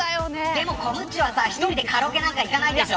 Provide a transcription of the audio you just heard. でもコムッチは１人でカラオケなんて行かないでしょ。